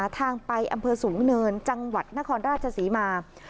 ทางไปอำเภอสูงเนินจังหวัดนครราชศรีมา